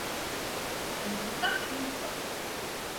Результат налицо